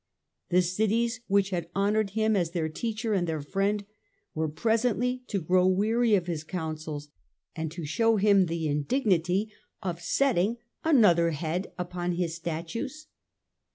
Tlie cities which had honoured him as their teacher and their friend were presently to grow weary of his counsels, and to show him the indignity of setting another head upon his statues.